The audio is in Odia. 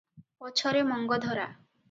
ପଛରେ ମଙ୍ଗଧରା ।